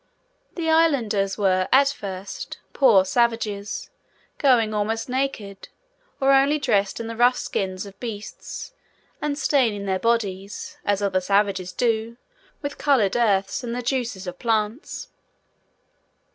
The Islanders were, at first, poor savages, going almost naked, or only dressed in the rough skins of beasts, and staining their bodies, as other savages do, with coloured earths and the juices of plants.